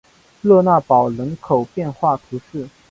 勒讷堡人口变化图示